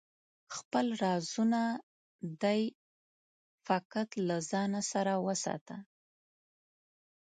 خپل رازونه دی فقط له ځانه سره وساته